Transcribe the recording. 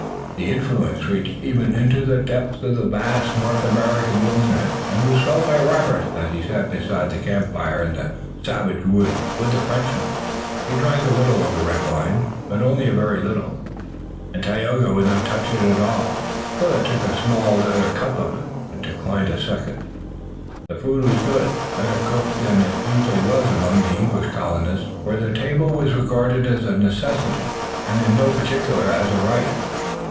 The influence reached even into the depths of the vast North American wilderness and was felt by Robert as he sat beside the camp fire in the savage woods with the Frenchmen. He drank a little of the red wine, but only a very little, and Tayoga would not touch it at all. Willet took a small leather cup of it, but declined a second. The food was good, better cooked than it usually was among the English colonists, where the table was regarded as a necessity, and in no particular as a rite.